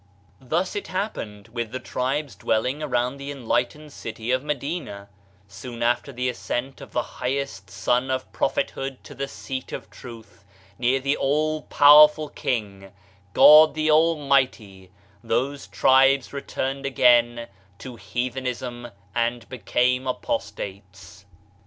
Thus it happened with the tribes dwelling around the enlightened city of Madina, soon after the ascent of the highest sun of Prophethood to the seat of Truth, near the All powerful King, God the Almighty, those tribes returned again to heathenism and became apostates.